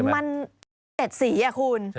มันเจ็ดสีอ่ะคุณ